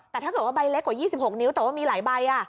แต่ถ้าเกิดว่าใบเล็กกว่า๒๖นิ้วแต่ว่ามีหลายใบ